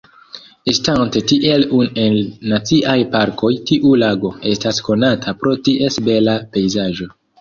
Estante tiel unu en naciaj parkoj, tiu lago estas konata pro ties bela pejzaĝo.